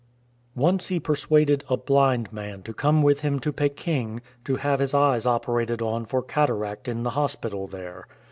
Once he persuaded a blind man to come with him to Peking, to have his eyes operated on for cataract in the hospital there.